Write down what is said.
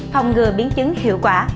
phòng ngừa biến chứng hiệu quả